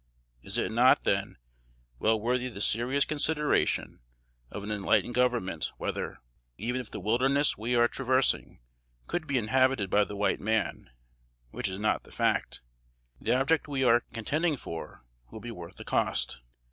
Is it not, then, well worthy the serious consideration of an enlightened Government whether, even if the wilderness we are traversing could be inhabited by the white man, (which is not the fact,) the object we are contending for would be worth the cost?